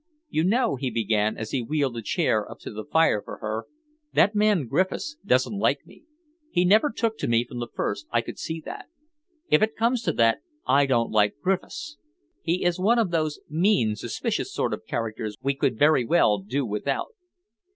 "You know," he began, as he wheeled a chair up to the fire for her, "that man Griffiths doesn't like me. He never took to me from the first, I could see that. If it comes to that, I don't like Griffiths. He is one of those mean, suspicious sort of characters we could very well do without."